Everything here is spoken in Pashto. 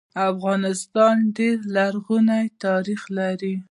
افغانستان ډير لرغونی تاریخ لري